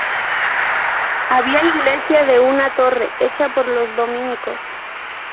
Había iglesia de una torre, hecha por los dominicos.